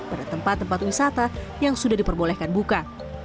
pada tempat tempat wisata yang sudah diperbolehkan buka